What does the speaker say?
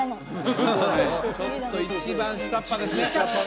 ちょっと一番下っ端ですね